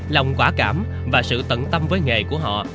lòng quả cảm và sự tận tâm với nghề của họ